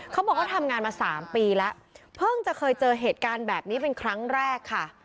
เขาบอกว่าทำงานมา๓ปีแล้วเพิ่งจะเคยเจอเหตุการณ์แบบนี้เป็นครั้งแรกค่ะ